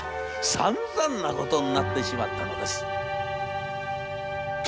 さんざんなことになってしまったのです」。